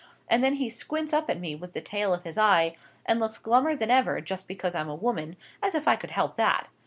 And then he squints up at me with the tail of his eye, and looks glummer than ever, just because I'm a woman—as if I could help that.